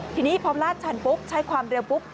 ทีนี้พอลาดชันปุ๊บใช้ความเร็วปุ๊บ